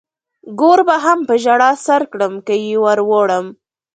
ګور به هم په ژړا سر کړم که يې ور وړم.